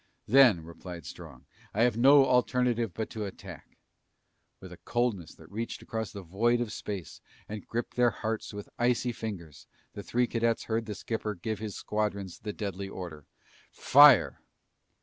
"Then," replied Strong, "I have no alternative but to attack!" With a coldness that reached across the void of space and gripped their hearts with icy fingers, the three cadets heard their skipper give his squadrons the deadly order! "Fire!"